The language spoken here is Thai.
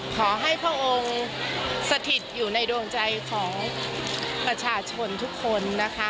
ขอให้พระองค์สถิตอยู่ในดวงใจของประชาชนทุกคนนะคะ